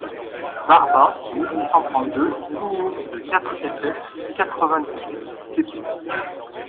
Barba, mille huit cent trente-deux, in-huit de quatre ff., quatre-vingt-dix-huit pp.